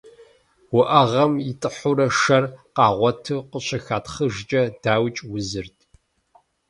Уӏэгъэм итӏыхьурэ шэр къагъуэту къыщыхатхъыжкӏэ, дауикӏ, узырт.